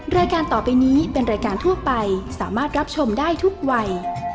รายการต่อไปนี้เป็นรายการทั่วไปสามารถรับชมได้ทุกวัย